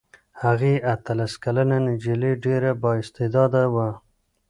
هغه اتلس کلنه نجلۍ ډېره بااستعداده وه.